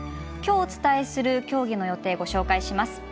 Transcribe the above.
きょうお伝えする競技の予定ご紹介します。